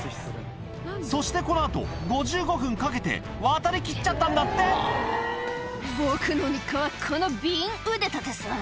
そしてこの後５５分かけて渡りきっちゃったんだって「僕の日課はこの瓶腕立てさ」